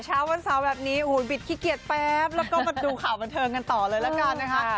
เช้าวันเสาร์แบบนี้บิดขี้เกียจแป๊บแล้วก็มาดูข่าวบันเทิงกันต่อเลยละกันนะคะ